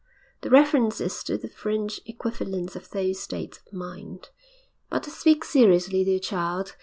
_' The reference is to the French equivalents of those states of mind. '_But to speak seriously, dear child.